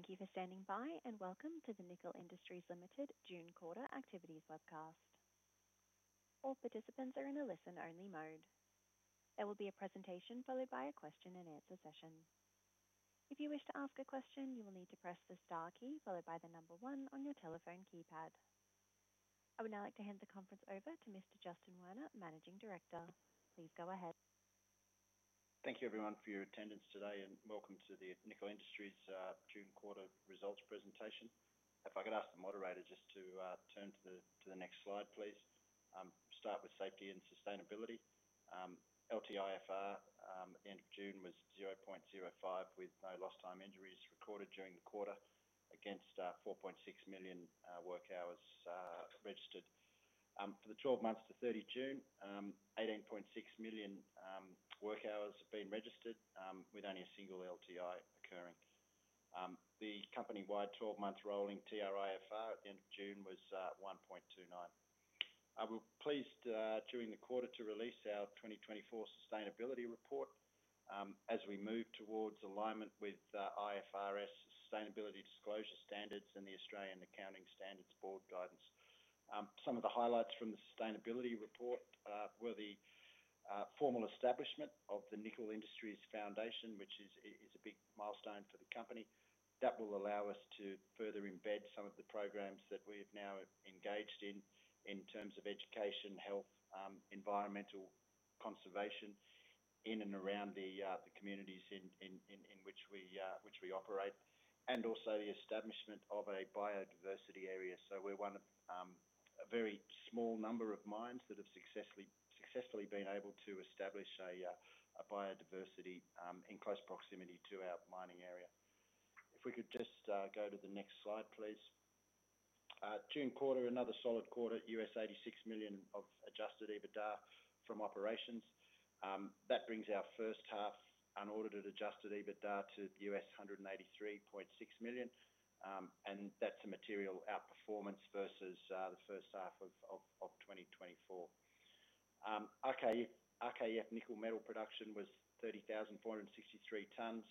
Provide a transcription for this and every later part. Thank you for standing by and welcome to the Nickel Industries Limited June quarter activities webcast. All participants are in a listen-only mode. There will be a presentation followed by a question and answer session. If you wish to ask a question, you will need to press the star key followed by the number one on your telephone keypad. I would now like to hand the conference over to Mr. Justin Werner, Managing Director. Please go ahead. Thank you everyone for your attendance today and welcome to the Nickel Industries June Quarter results presentation. If I could ask the moderator just to turn to the next slide. Please start with safety and sustainability. LTIFR end of June was 0.05 with no lost time injuries recorded during the quarter against 4.6 million work hours registered. For the 12 months to 30 June, 18.6 million work hours have been registered with only a single LTI occurring. The company-wide 12 month rolling TRIFR at the end of June was 1.29. I was pleased during the quarter to release our 2024 Sustainability Report as we move towards alignment with IFRS Sustainability Disclosure Standards and the Australian Accounting Standards Board guidance. Some of the highlights from the Sustainability Report were the formal establishment of the Nickel Industries Foundation, which is a big milestone for the company that will allow us to further embed some of the programs that we have now engaged in in terms of education, health, environmental conservation in and around the communities in which we operate, and also the establishment of a biodiversity area. We are one of a very small number of mines that have successfully been able to establish a biodiversity area in close proximity to our mining area. If we could just go to the next slide please. June Quarter, another solid quarter, $86 million of adjusted EBITDA from operations. That brings our first half unaudited adjusted EBITDA to $183.6 million and that's a material outperformance versus the first half of 2024. RKAB nickel metal production was 30,463 tonnes,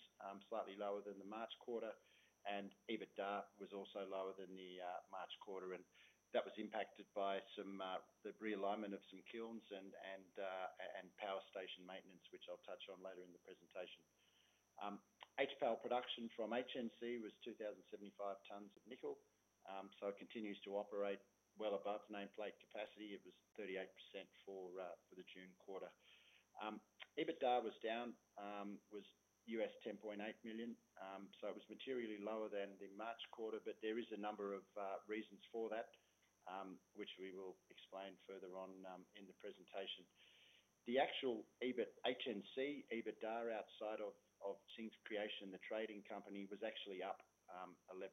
slightly lower than the March quarter and EBITDA was also lower than the March quarter and that was impacted by the realignment of some kilns and power station maintenance which I'll touch on later in the presentation. HPAL production from HNC was 2,075 tonnes of nickel, so it continues to operate well above nameplate capacity. It was 38% for the June quarter. EBITDA was down, was $10.8 million, so it was materially lower than the March quarter. There are a number of reasons for that which we will explain further on in the presentation. The actual HNC EBITDA, outside of Sin Creation, the trading company, was actually up 11%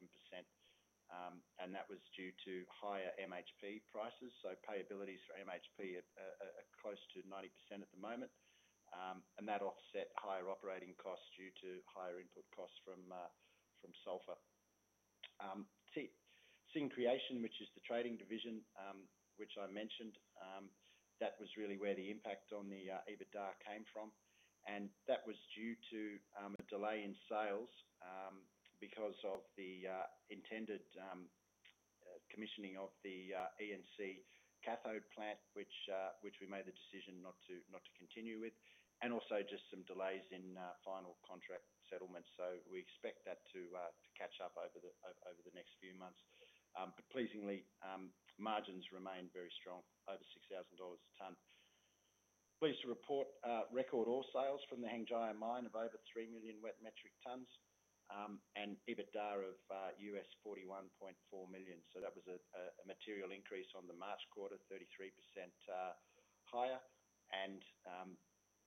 and that was due to higher MHP prices. Payabilities for MHP are close to 90% at the moment and that offset higher operating costs due to higher input costs from sulphur. Sin Creation, which is the trading division, which I mentioned. That was really where the impact on the EBITDA came from. That was due to a delay in sales because of the intended commissioning of the E and C integrated nickel refinery cathode plant, which we made the decision not to continue with, and also just some delays in final contract settlements. We expect that to catch up over the next few months. Pleasingly, margins remain very strong, over $6,000 a tonnes. Pleased to report record ore sales from the Hengjaya Mine of over 3 million wet metric tonnes and EBITDA of $41.4 million. That was a material increase on the March quarter, 33% higher and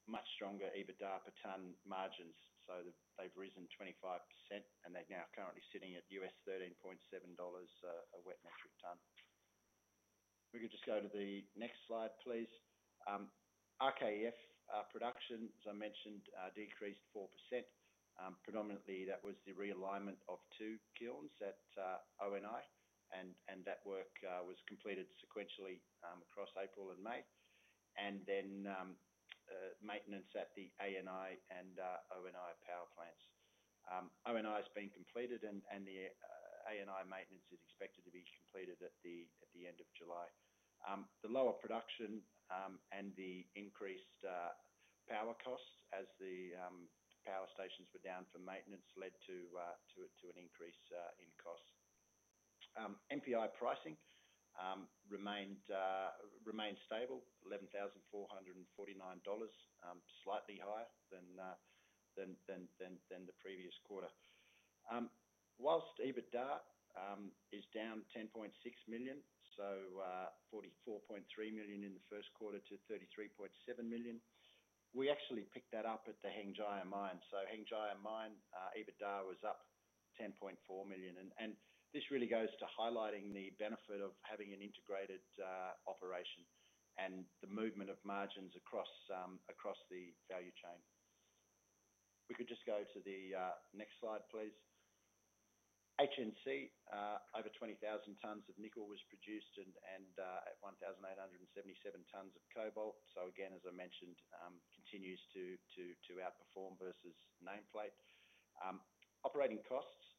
much stronger EBITDA per tonne margins. They've risen 25% and they're now currently sitting at US $13.7 a wet metric tonnes. We could just go to the next slide, please. RKAB production, as I mentioned, decreased 4%. Predominantly, that was the realignment of 2 kilns at Oracle Nickel and that work was completed sequentially across April and May, and then maintenance at the ANI and ONI power plants. ONI has been completed and the ANI maintenance is expected to be completed at the end of July. The lower production and the increased power costs as the power stations were down for maintenance led to an increase in costs. NPI pricing remained stable, $11,449, slightly higher than the previous quarter, whilst EBITDA is down $10.6 million, so $44.3 million in the first quarter to $33.7 million. We actually picked that up at the Hengjaya Mine, so Hengjaya Mine EBITDA was up $10.4 million. This really goes to highlighting the benefit of having an integrated operation and the movement of margins across the value chain. We could just go to the next slide, please. HNC, over 20,000 tonnes of nickel was produced and at 1,877 tonnes of cobalt. As I mentioned, continues to outperform versus nameplate. Operating costs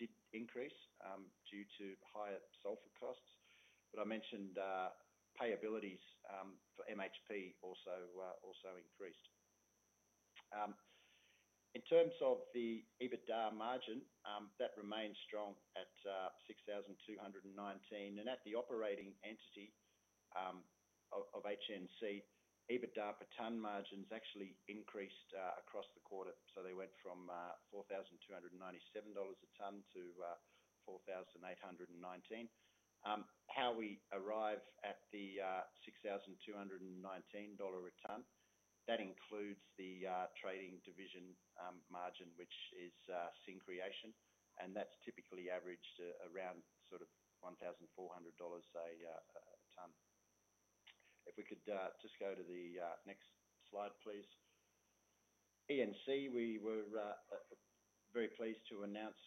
did increase due to higher sulphur costs, but I mentioned payabilities for mixed hydroxide precipitate also increased in terms of the EBITDA margin. That remains strong at $6,219 and at the operating entity of HNC, EBITDA per tonne margins actually increased across the quarter. They went from $4,297 a tonne to $4,819. How we arrive at the $6,219 a tonne, that includes the trading division margin, which is sin creation and that's typically averaged around sort of $1,400 a tonne. If we could just go to the next slide, please. E and C. We were very pleased to announce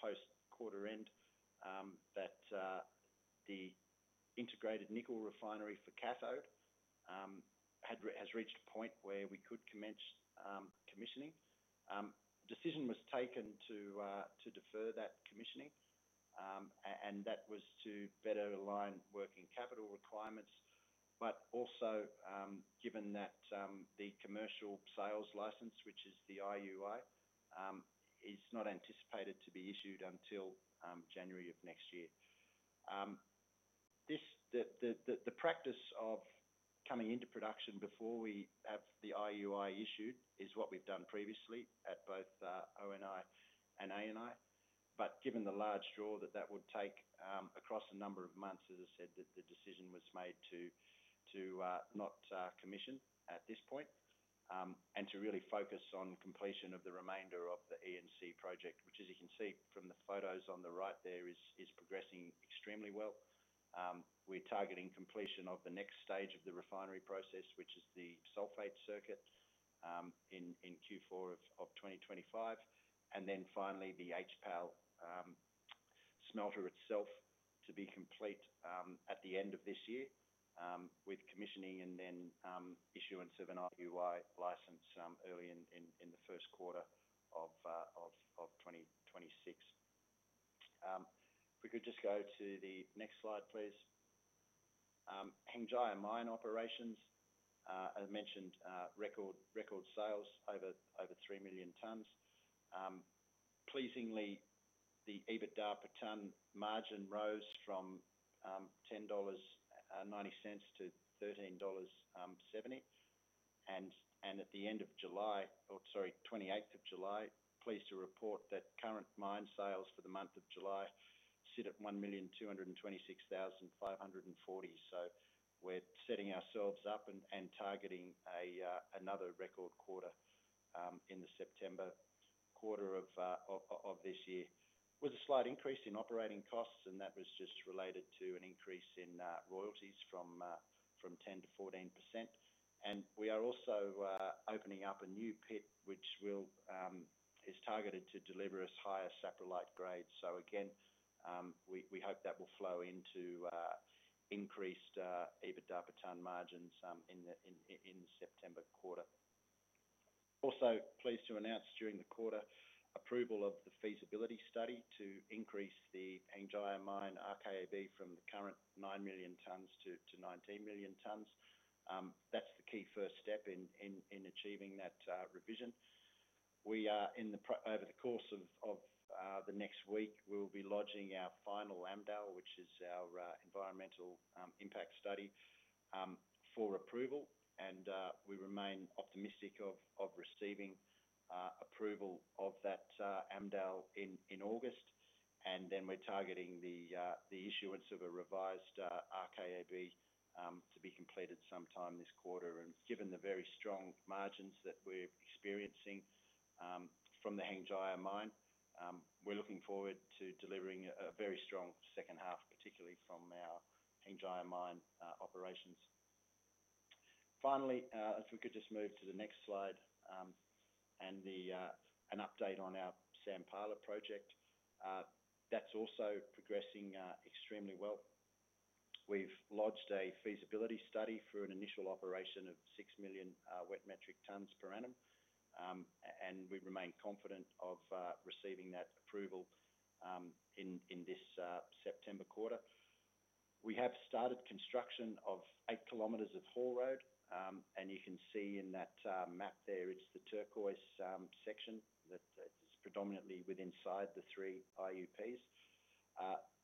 post quarter end that the E and C integrated nickel refinery for cathode has reached a point where we could commence commissioning. The decision was taken to defer that commissioning and that was to better align working capital requirements, but also given that the commercial sales license, which is the IUI, is not anticipated to be issued until January of next year. The practice of coming into production before we have the IUI issued is what we've done previously at both ONI and ANl. Given the large draw that that would take across a number of months, the decision was made to not commission at this point and to really focus on completion of the remainder of the E and C project, which, as you can see from the photos on the right there, is progressing extremely well. We're targeting completion of the next stage of the refinery process, which is the sulphate circuit in Q4 of 2025, and then finally the HPAL smelter itself to be complete at the end of this year with commissioning and then issuance of an IUI license early in the first quarter of 2026. If we could just go to the next slide, please. Hengjaya Mine operations, as mentioned, record sales over 3 million tonnes. Pleasingly, the EBITDA per tonne margin rose from $10.90-$13.70. At the end of July, sorry, 28th of July, pleased to report that current mine sales for the month of July sit at 1,226,540. We're setting ourselves up and targeting another record quarter. In the September quarter of this year, there was a slight increase in operating costs and that was just related to an increase in royalties from 10%-14%. We are also opening up a new pit which is targeted to deliver us higher saprolite grades. We hope that will flow into increased EBITDA per tonne margins in the September quarter. Also pleased to announce during the quarter approval of the feasibility study to increase the Hengjaya Mine RKAB from the current 9 million tonnes to 19 million tonnes. That's the key first step in achieving that revision. Over the course of the next week, we will be lodging our final AMDAL, which is our environmental impact study, for approval and we remain optimistic of receiving approval of that AMDAL in August. We're targeting the issuance of a revised RKAB to be completed sometime this quarter. Given the very strong margins that we're experiencing from the Hengjaya Mine, we're looking forward to delivering a very strong second half, particularly from our Hengjaya Mine operations. Finally, if we could just move to the next slide and an update on our Sampala project that's also progressing extremely well. We've lodged a feasibility study for an initial operation of 6 million wet metric tonnes per annum and we remain confident of receiving that approval. In this September quarter, we have started construction of eight kilometers of haul road and you can see in that map there, it's the turquoise section that is predominantly within the three IUPs.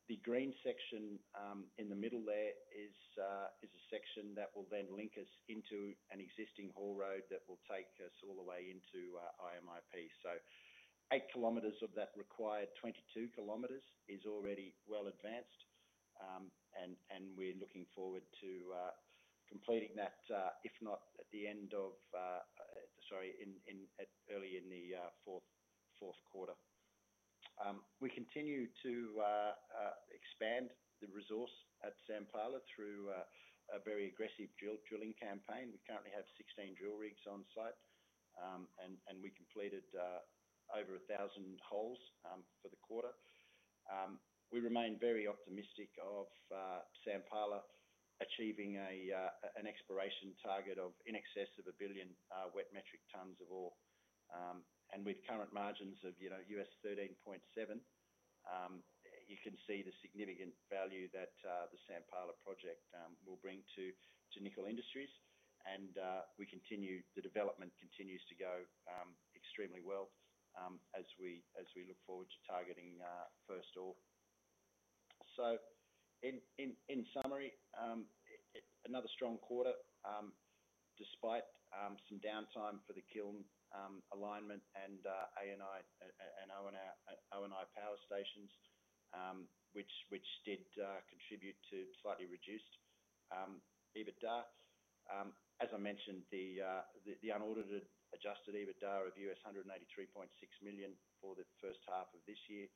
The green section in the middle there is a section that will then link us into an existing haul road that will take us all the way into the IMIP. Eight kilometers of that required 22 km is already well advanced and we're looking forward to completing that, if not at the end of, early in the fourth quarter. We continue to expand the resource at Sampala through a very aggressive drilling campaign. We currently have 16 drill rigs on site and we completed over 1,000 holes for the quarter. We remain very optimistic of Sampala achieving an exploration target of in excess of a billion wet metric tonnes of ore. With current margins of $13.7, you can see the significant value that the Sampala project will bring to Nickel Industries. The development continues to go extremely well as we look forward to targeting first ore. In summary, another strong quarter despite some downtime for the kiln alignment and ONI power stations, which did contribute to slightly reduced EBITDA. As I mentioned, the unaudited adjusted EBITDA of $183.6 million for the first half of this year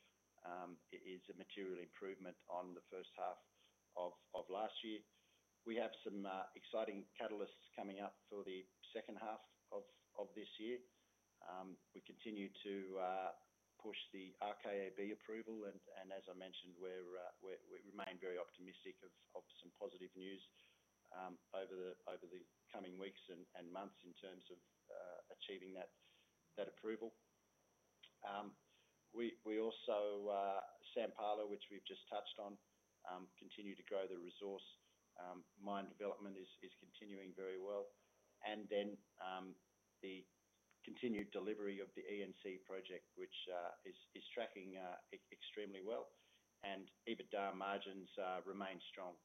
is a material improvement on the first half of last year. We have some exciting catalysts coming up for the second half of this year. We continue to push the RKAB approval and as I mentioned, we remain very optimistic of some positive news over the coming weeks and months in terms of achieving that approval. Sampala, which we've just touched on, continues to grow the resource. Mine development is continuing very well and then the continued delivery of the E and C project, which is tracking extremely well, and EBITDA margins remain strong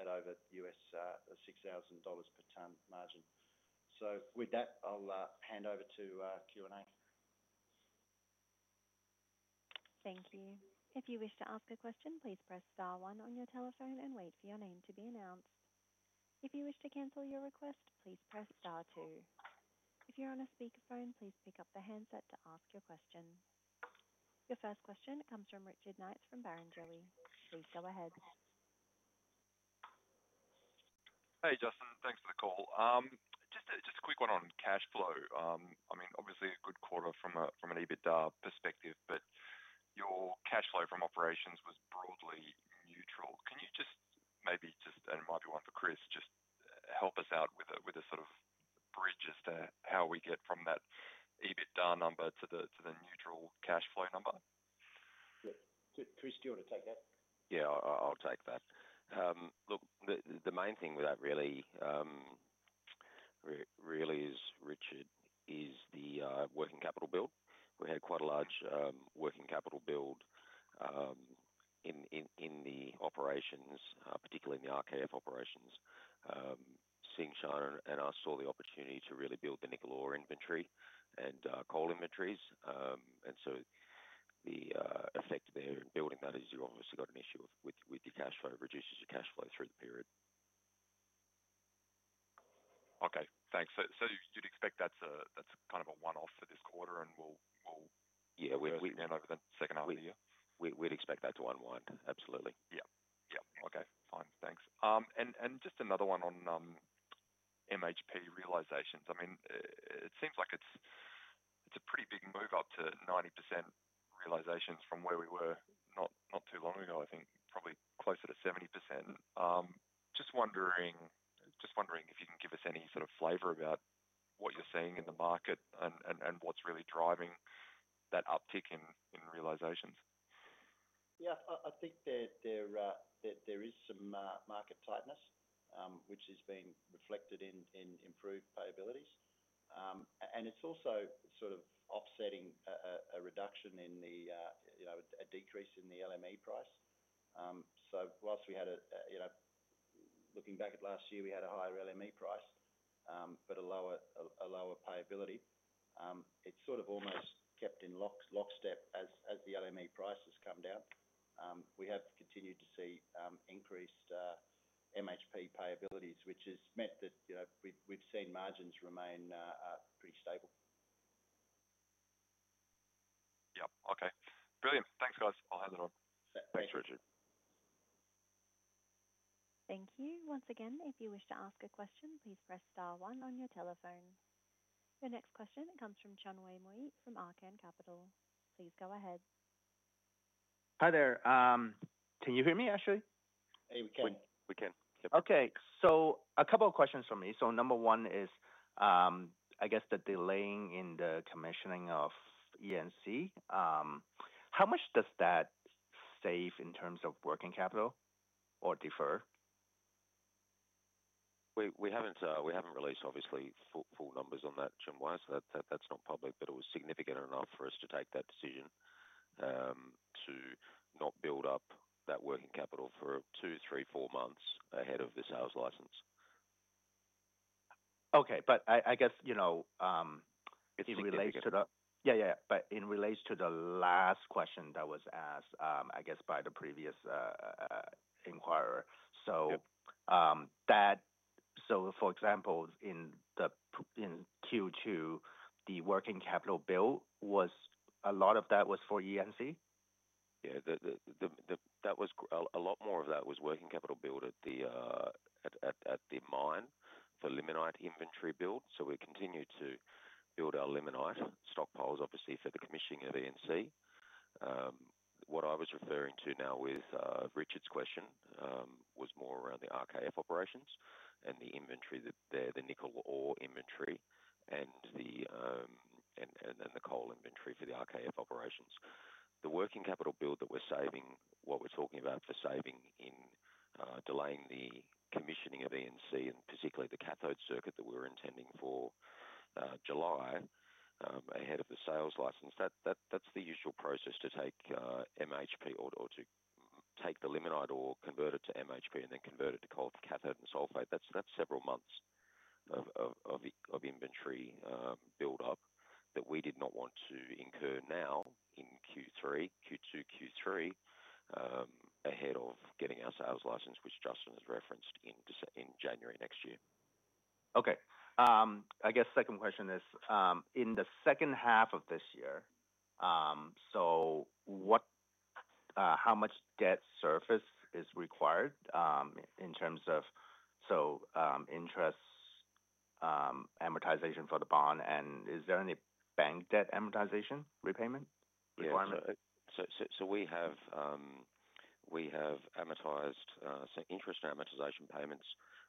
at over $6,000 per tonne margin. With that, I'll hand over to Q and A. Thank you. If you wish to ask a question, please press star one on your telephone and wait for your name to be announced. If you wish to cancel your request, please press star two. If you're on a speakerphone, please pick up the handset to ask your question. Your first question comes from Richard Knights from Berenberg. Please go ahead. Hey, Justin, thanks for the call. Just a quick one on cash flow. I mean, obviously a good quarter from an EBITDA perspective, but your cash flow from operations was broadly neutral. Can you just maybe, and it might be one for Chris, just help us out with a sort of bridge as to how we get from that EBITDA number to the neutral cash flow number. Chris, do you want to take that? Yeah, I'll take that. Look, the main thing with that really is, Richard, is the working capital build. We had quite a large working capital build in the operations, particularly in the RKAB operations. Tsingshan and I saw the opportunity to really build the nickel ore inventory and coal inventories. The effect there in building that is you obviously got an issue with your cash flow. It reduces your cash flow through the period. Okay, thanks. You'd expect that's kind of a one off for this quarter and we'll over the second half of the year. We'd expect that to unwind. Absolutely. Yeah. Yeah. Okay, fine. Thanks. Just another one on MHP realizations. It seems like it's a pretty big move, up to 90% realizations from where we were not too long ago. I think probably closer to 70%. Just wondering if you can give us any sort of flavor about what you're seeing in the market and what's really driving that uptick in realizations. Yeah, I think there is some market tightness which is being reflected in improved payabilities. It's also sort of offsetting a reduction in the, you know, a decrease in the LME price. Whilst we had a, you know, looking back at last year, we had a higher LME price but a lower, lower payability. It's sort of almost kept in lockstep as the LME price has come down. We have continued to see increased MHP payabilities, which has meant that, you know, we've seen margins remain pretty stable. Yep. Okay, brilliant. Thanks, guys. I'll hand it on. Thank you. Once again, if you wish to ask a question, please press star one on your telephone. The next question comes from Chunwei Mui from Akan Capital. Please go ahead. Hi there, can you hear me, actually? We can. Okay, a couple of questions for me. Number one is, I guess, the delaying in the commissioning of E and C integrated nickel refinery. How much does that save in terms of working capital or defer? We haven't released obviously full numbers on that, Chunwei, so that's not public, but it was significant enough for us to take that decision to not build up that working capital for 2, 3, 4 months ahead of the sales license. Okay, but I guess you know. Yeah, yeah, but it relates to the last question that was asked, I guess, by the previous inquirer. For example, in Q2, the working capital bill was, a lot of that was for E and C. Yeah, a lot more of that was working capital build at the mine for limonite inventory build. We continue to build our limonite stockpiles, obviously for the commissioning of E and C. What I was referring to now with Richard's question was more around the RKAB operations and the inventory there, the nickel Ore inventory. The coal inventory for the RKF operations, the working capital build that we're saving, what we're talking about for saving in delaying the commissioning of E and C and particularly the cathode circuit that we're intending for July ahead of the sales license, that's the usual process to take MHP or to take the limonite or convert it to MHP and then convert it to cold cathode and sulphate. That's several months of inventory buildup that we did not want to incur. Now in Q2, Q3 ahead of getting our sales license, which Justin has referenced in January next year. Okay, I guess second question is in the second half of this year, how much debt service is required in terms of interest, amortization for the bond, and is there any bank debt amortization repayment requirement? We have amortized. Interest amortization payments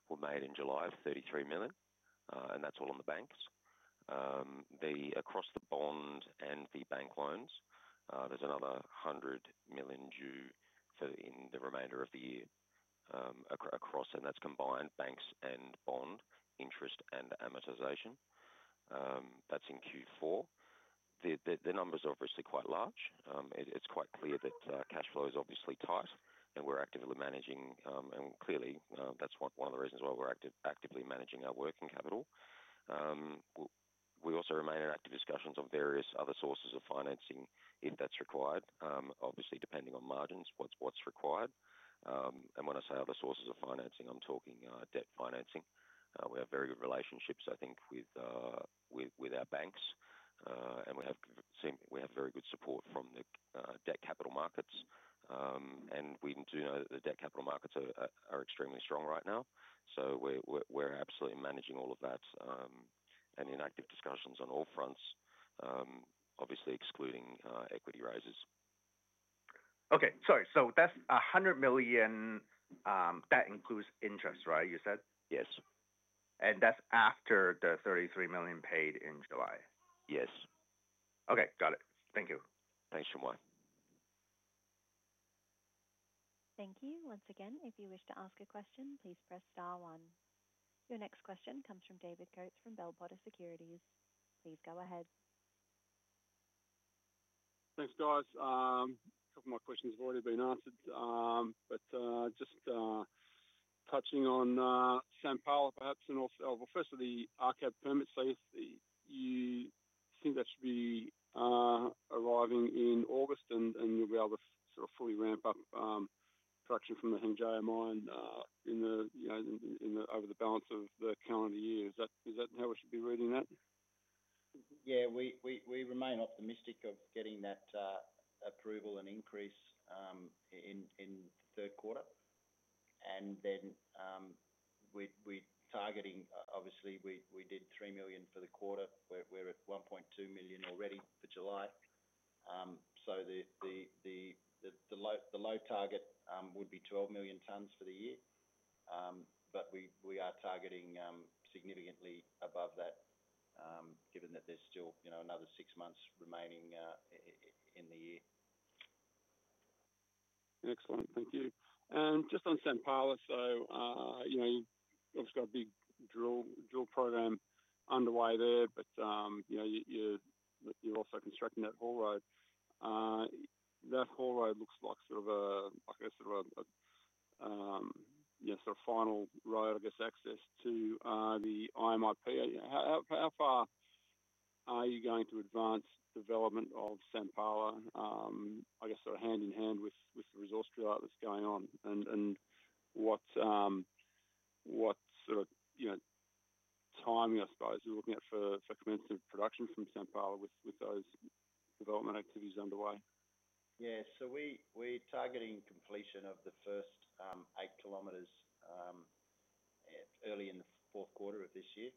were made in July of $33 million and that's all on the banks across the bond and the bank loans. There's another $100 million due in the remainder of the year across, and that's combined banks and bond interest and amortization that's in Q4. The numbers are obviously quite large. It's quite clear that cash flow is obviously tight and we're actively managing, and clearly that's one of the reasons why we're actively managing our working capital. We also remain in active discussions on various other sources of financing, if that's required, obviously depending on margins, what's required, and when I say other sources of financing, I'm talking debt financing. We have very good relationships, I think, with our banks and we have very good support from the debt capital markets. We do know that the debt capital markets are extremely strong right now. We're absolutely managing all of that and in active discussions on all fronts, obviously excluding equity raises. Okay, sorry. That's $100 million, that includes interest, right you said? Yes. That's after the $33 million paid in July. Yes. Okay, got it. Thank you. Thanks Chunwei. Thank you. Once again, if you wish to ask a question, please press Star one. Your next question comes from David Coates from Bell Potter Securities. Please go ahead. Thanks guys. A couple of my questions have already been answered, just touching on Sampala perhaps. First, the RKAB mining permit. Do you think that should be arriving in August and you'll be able to fully ramp up production from the Hengjaya Mine over the balance of the calendar year? Is that how we should be reading that? Yeah, we remain optimistic of getting that approval and increase in third quarter. We targeting obviously we did $3 million for the quarter, we're at $1.2 million already for July. The low target would be 12 million tonnes for the year. We are targeting significantly above that given that there's still another six months remaining in the year. Excellent, thank you. Just on Sampala, you know you've got a big drill program underway there. You're also constructing that haul road, that haul road looks like a sort of final road, I guess access to the IMIP. How far are you going to advance development of Sampala? I guess hand in hand with the resource drill out that's going on. And. What sort of timing, I suppose, are we looking at for commencement of production from Sampala with those development activities underway? Yes. We're targeting completion of the first 8 km early in the fourth quarter of this year.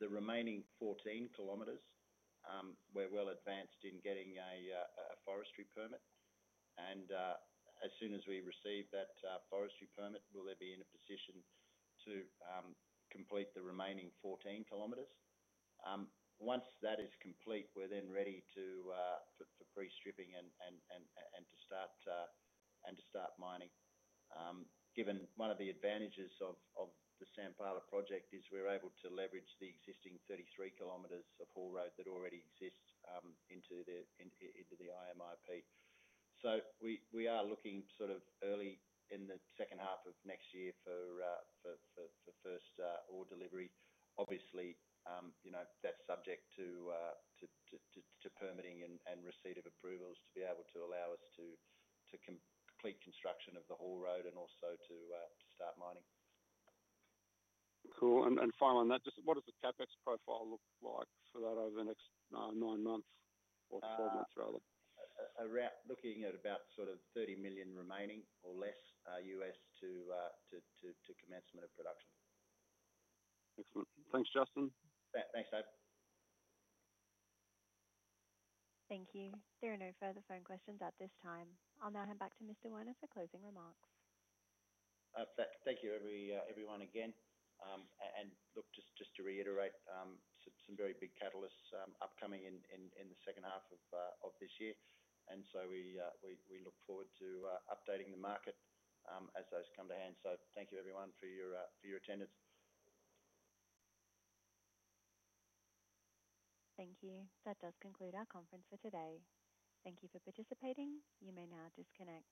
The remaining 14 km, we're well advanced in getting a forestry permit. As soon as we receive that forestry permit, we'll be in a position to complete the remaining 14 km. Once that is complete, we're then ready to pre-stripping and to start mining. Given one of the advantages of the Sampala project is we're able to leverage the existing 33 km of haul road that already exists into the IMIP. We are looking sort of early in the second half of next year for first ore delivery. Obviously, that's subject to permitting and receipt of approvals to be able to allow us to complete construction of the haul road and also to start mining. Cool. What does the CapEx profile look like for that over the next nine months or 12 months? Rather a route looking at about sort of $30 million remaining or less U.S. to commencement of production. Excellent. Thanks, Justin. Thanks, Dave. Thank you. There are no further phone questions at this time. I'll now hand back to Mr. Werner for closing remarks. Thank you everyone again. Just to reiterate, some very big catalysts upcoming in the second half of this year. We look forward to updating the market as those come to hand. Thank you everyone for your attendance. Thank you. That does conclude our conference for today. Thank you for participating. You may now disconnect.